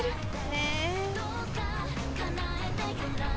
ねえ。